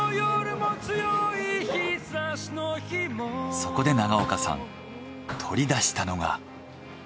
そこで長岡さん取り出したのが。